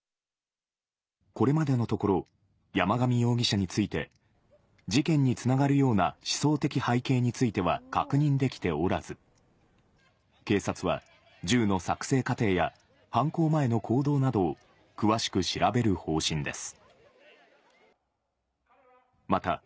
これまでのところ、山上容疑者について、事件につながるような思想的背景については確認できておらず、警察は銃の作製過程や、犯行前の行動などを詳しく調べる方針です。